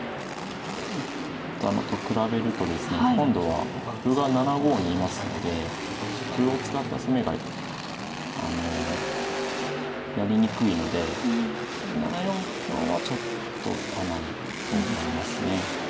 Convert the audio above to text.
打ったのと比べるとですね今度は歩が７五にいますので歩を使った攻めがあのやりにくいので７四香はちょっと打たないと思いますね。